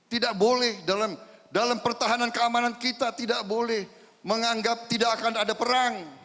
tidak boleh dalam pertahanan keamanan kita tidak boleh menganggap tidak akan ada perang